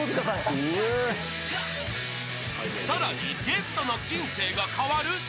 ［さらにゲストの人生が変わる。